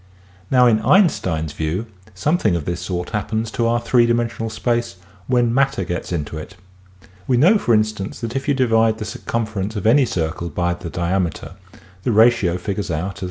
Now in Einstein's view something of this sort hap pens to our three dimensional space when matter gets into it. We know for instance that if you divide the circumference of any circle by the diameter the ratio figures out as 3.